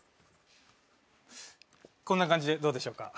こんな感じでどうでしょうか？